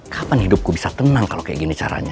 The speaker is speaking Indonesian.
kapan hidupku bisa tenang kalau kayak gini caranya